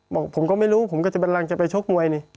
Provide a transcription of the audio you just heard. ผมก็ไม่รู้ผมก็จะบันลังจะไปชกมวยนี่